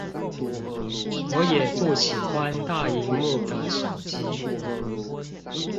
我也不喜歡大螢幕的手機